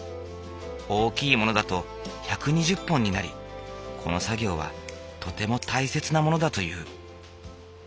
大きいものだと１２０本になりこの作業はとても大切なものだという。